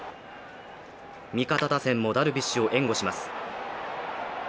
味方打線もダルビッシュを援護します。